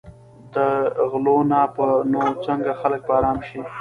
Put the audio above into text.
دې غلو نه به نو څنګه خلک په آرام شي.